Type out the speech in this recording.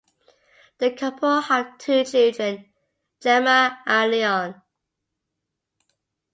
The couple have two children, Gemma and Leone.